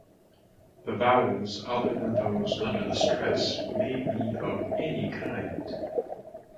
The vowels other than those under the stress may be of any kind.